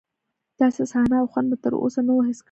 داسې صحنه او خوند مې تر اوسه نه و حس کړی.